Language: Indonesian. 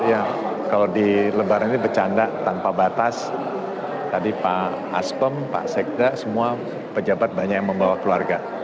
jadi ya kalau di lebaran ini bercanda tanpa batas tadi pak aspem pak sekda semua pejabat banyak yang membawa keluarga